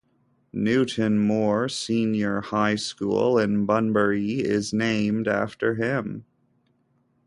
Newton Moore Senior High School in Bunbury is named after him.